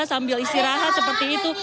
sambil istirahat seperti itu